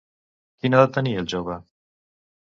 Quina edat tenia el jove?